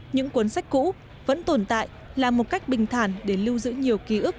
những cuốn sách cũ vẫn tồn tại là một cách bình thản để lưu giữ nhiều ký ức